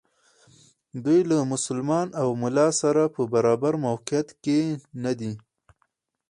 دوی له مسلمان او ملا سره په برابر موقعیت کې ندي.